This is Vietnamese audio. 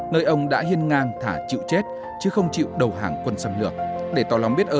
nơi ông đã hiên ngang thả chịu chết